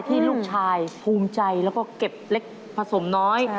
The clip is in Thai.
ที่ลูกชายภูมิใจแล้วก็เก็บเล็กผสมน้อย